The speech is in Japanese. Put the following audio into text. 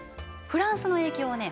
フランスの影響はね